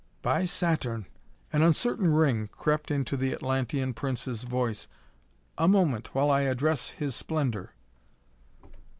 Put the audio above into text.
"By Saturn!" An uncertain ring crept into the Atlantean Prince's voice. "A moment, while I address His Splendor."